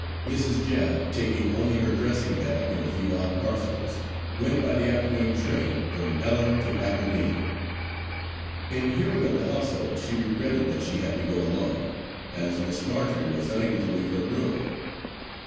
Mrs. Jack, taking only her dressing bag and a few odd parcels, went by the afternoon train from Ellon to Aberdeen. In hearing of the household she regretted that she had to go alone, as Miss Marjory was unable to leave her room.